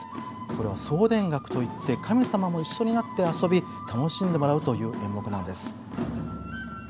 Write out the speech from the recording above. これは「総田楽」といって神様も一緒になって遊び楽しんでもらうという演目なんです。